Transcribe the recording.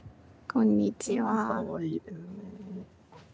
こんにちは。